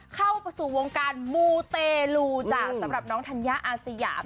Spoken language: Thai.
เข้าสู่วงการมูเตลูจ้ะสำหรับน้องธัญญาอาสยาม